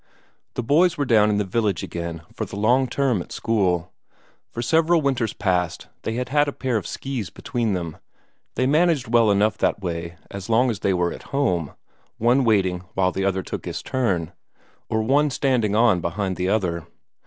The boys were down in the village again for the long term at school. For several winters past they had had a pair of ski between them; they managed well enough that way as long as they were at home, one waiting while the other took his turn, or one standing on behind the other.